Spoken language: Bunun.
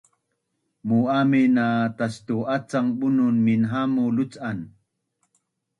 mu’amin na tastu’acang bunun minhamu luc’an